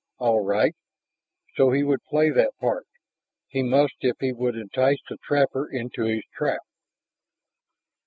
All right, so he would play that part. He must if he would entice the trapper into his trap.